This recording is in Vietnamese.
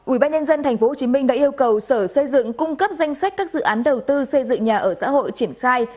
ủy ban nhân dân tp hcm đã yêu cầu sở xây dựng cung cấp danh sách các dự án đầu tư xây dựng nhà ở xã hội triển khai